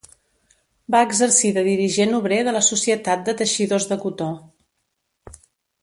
Va exercir de dirigent obrer de la Societat de Teixidors de Cotó.